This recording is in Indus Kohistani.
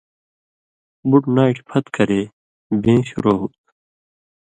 بُٹ ناٹیۡ پھت کرے بیں شروع ہُو تھہ